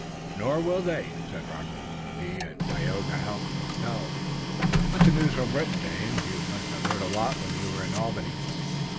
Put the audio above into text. "Nor will they," said Robert, as he and Tayoga helped themselves. "What's the news from Britain, Dave? You must have heard a lot when you were in Albany."